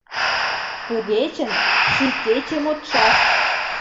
Кугечын ший кече модшаш.